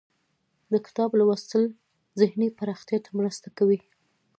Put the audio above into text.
د کتاب لوستل ذهني پراختیا ته مرسته کوي.